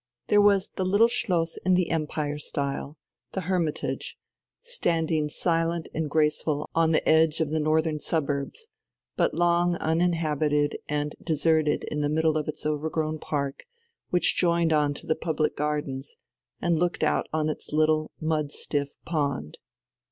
There was the little schloss in the Empire style, the Hermitage, standing silent and graceful on the edge of the northern suburbs, but long uninhabited and deserted in the middle of its over grown park, which joined on to the public gardens, and looked out on its little, mud stiff pond.